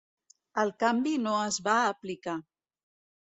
El canvi no es va aplicar.